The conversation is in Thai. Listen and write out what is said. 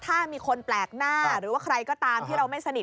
ถ้ามีคนแปลกหน้าหรือว่าใครก็ตามที่เราไม่สนิท